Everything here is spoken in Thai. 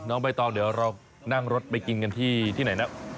ใบตองเดี๋ยวเรานั่งรถไปกินกันที่ไหนนะ